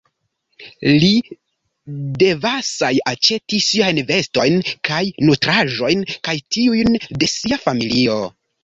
Li devasj aĉeti siajn vestojn kaj nutraĵojn kaj tiujn de sia familio.